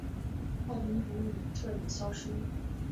太平湖已彻底消失。